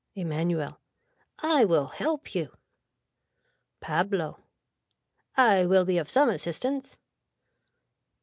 (Emanuel.) I will help you. (Pablo.) I will be of some assistance.